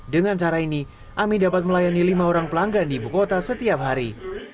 dengan cara ini ami dapat melayani lima orang pelanggan di ibu kota setiap hari